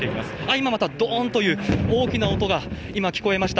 今また、どーんという大きな音が、今聞こえました。